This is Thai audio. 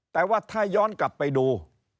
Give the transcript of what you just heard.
แต่ว่าถ้าย้อนกลับไปดู